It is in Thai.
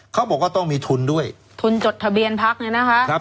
เขาบอกว่าต้องมีทุนด้วยทุนจดทะเบียนพักเนี่ยนะคะ